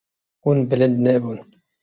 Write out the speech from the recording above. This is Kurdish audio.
Hûn bilind nebûn.